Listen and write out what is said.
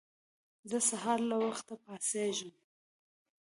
زه سهار له وخته پاڅيږم.